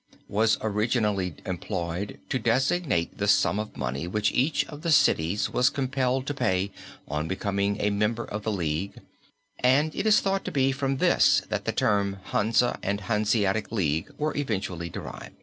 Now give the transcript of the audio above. This term was originally employed to designate the sum of money which each of the cities was compelled to pay on becoming a member of the league, and it is thought to be from this that the terms Hansa and Hanseatic League were eventually derived.